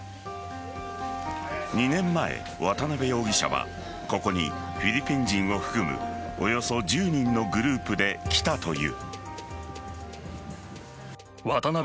２年前、渡辺容疑者はここにフィリピン人を含むおよそ１０人のグループで来たという。